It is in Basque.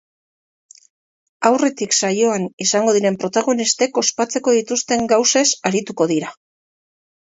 Aurretik, saioan izango diren protagonistek ospatzeko dituzten gauzez arituko dira.